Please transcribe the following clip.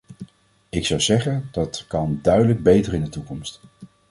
Ik zou zeggen dat kan duidelijk beter in de toekomst.